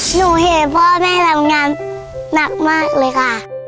หนูเห็นพ่อแม่ทำงานหนักมากเลยค่ะ